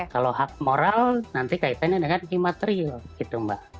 kalau hak moral nanti kaitannya dengan imaterial gitu mbak